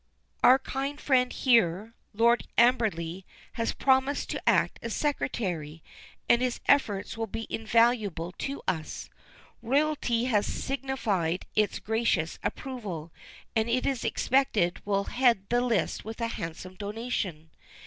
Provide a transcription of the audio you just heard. Our kind friend here, Lord Amberley, has promised to act as secretary, and his efforts will be invaluable to us. Royalty has signified its gracious approval, and it is expected will head the list with a handsome donation.